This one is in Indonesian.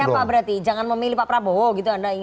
jangan memilih pak prabowo gitu anda ingat